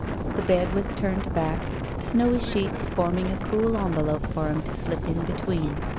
The bed was turned back, snowy sheets forming a cool envelope for him to slip in between.